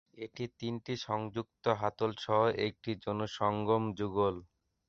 এটি তিনটি সংযুক্ত হাতলসহ একটি যৌনসঙ্গম যুগল।